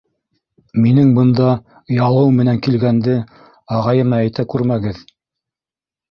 Минең бында ялыу менән килгәнде... ағайыма әйтә күрмәгеҙ!